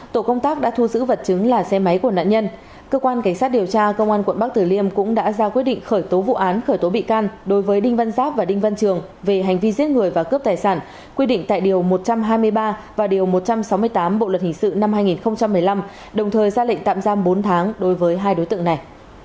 tổ công tác đã thu giữ vật chứng là xe máy của nạn nhân cơ quan cảnh sát điều tra công an quận bắc tử liêm cũng đã ra quyết định khởi tố vụ án khởi tố bị can đối với đinh văn giáp và đinh văn trường về hành vi giết người và cướp tài sản quy định tại điều một trăm hai mươi ba và điều một trăm sáu mươi tám bộ luật hình sự năm hai nghìn một mươi năm đồng thời ra lệnh tạm giam bốn tháng đối với hai đối tượng này